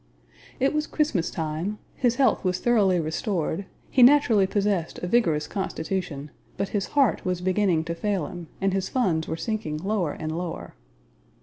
It was Christmas time, his health was thoroughly restored, he naturally possessed a vigorous constitution; but his heart was beginning to fail him, and his funds were sinking lower and lower.